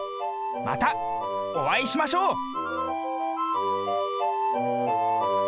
またおあいしましょう。